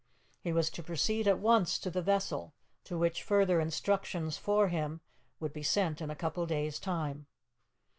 He was to proceed at once to the vessel, to which further instructions for him would be sent in a couple of days' time.